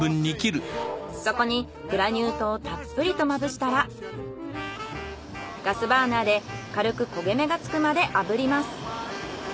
そこにグラニュー糖をたっぷりとまぶしたらガスバーナーで軽く焦げ目がつくまであぶります。